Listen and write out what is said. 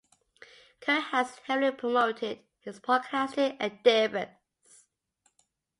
Curry has heavily promoted his podcasting endeavors.